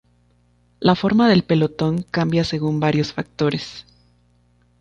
La forma del pelotón cambia según varios factores.